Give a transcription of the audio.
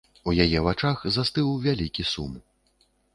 У яе вачах застыў вялікі сум.